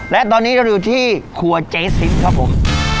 และตอนนี้เราอยู่ที่ครัวเจ๊ซิมครับผม